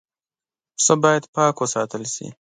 پسه باید پاک وساتل شي.